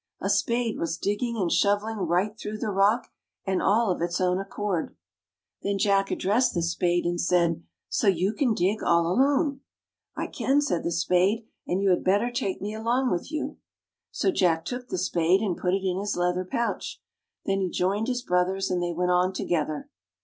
A spade was digging and shoveling right through the rock — and all of its own accord. Then Jack addressed the Spade, and said, '' So you can dig all alone! "" I can," said the Spade, " and you had better take me along with you." So Jack took the Spade and put it in his leather pouch. Then he joined his brothers and they went on together.